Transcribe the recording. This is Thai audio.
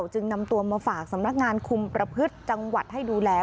จึงนำตัวมาฝากสำนักงานคุมประพฤติจังหวัดให้ดูแล